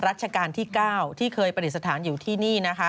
ราชกาลที่๙ที่เคยประเด็จสถานอยู่ที่นี่